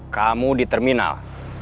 kamu di terminal